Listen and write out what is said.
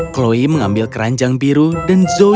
chloe mengambil keranjang biru dan memotongnya ke dalam kuali